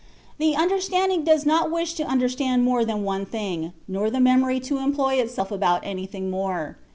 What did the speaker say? The understand ing does not wish to understand more than one thing, nor the memory to employ itself about anything more.